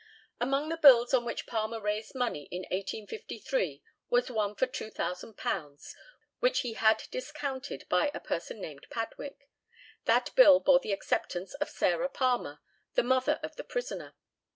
Among the bills on which Palmer raised money in 1853 was one for £2,000, which he had discounted by a person named Padwick. That bill bore the acceptance of Sarah Palmer, the mother of the prisoner.